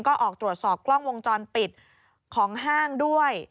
ก็ออกตรวจสอบกล้องวงจรปิดของห้างด้วย